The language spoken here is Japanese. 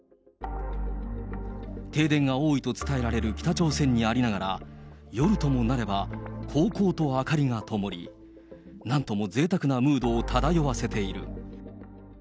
停電が多いと伝えられる北朝鮮にありながら、夜ともなれば、こうこうと明かりがともり、なんともぜいたくなムードを漂わせている。